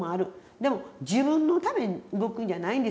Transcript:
でも自分のために動くんじゃないんですよ。